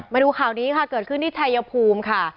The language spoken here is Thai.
มาดูข่าวนี้ค่ะเกิดขึ้นที่ชายภูมิค่ะ